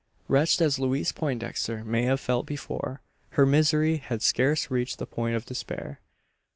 Wretched as Louise Poindexter may have felt before, her misery had scarce reached the point of despair.